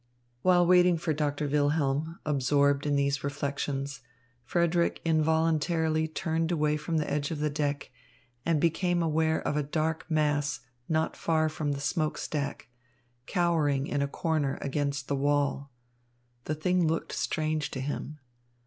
While waiting for Doctor Wilhelm, absorbed in these reflections, Frederick involuntarily turned away from the edge of the deck, and became aware of a dark mass not far from the smoke stack, cowering in a corner against the wall. The thing looked strange to him.